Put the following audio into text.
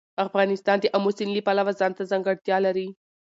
افغانستان د آمو سیند له پلوه ځانته ځانګړتیا لري.